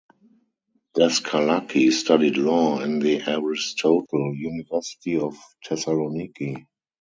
Daskalaki studied law in the Aristotle University of Thessaloniki.